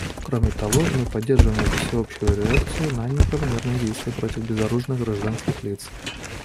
Кроме того, мы поддерживаем эту всеобщую реакцию на неправомерные действия против безоружных гражданских лиц.